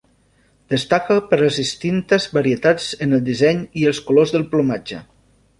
Destaca per les distintes varietats en el disseny i els colors del plomatge.